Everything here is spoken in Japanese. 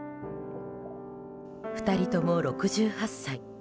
２人とも６８歳。